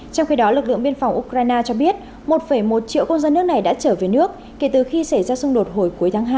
trong khi đó lực lượng biên phòng ukraine cho biết một một triệu công dân nước này đã trở về nước kể từ khi xảy ra xung đột hồi cuối tháng hai